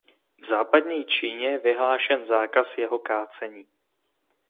V západní Číně je vyhlášen zákaz jeho kácení.